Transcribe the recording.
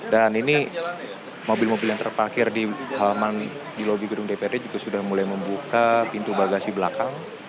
dan ini mobil mobil yang terpakir di halaman di lobi gedung dprd juga sudah mulai membuka pintu bagasi belakang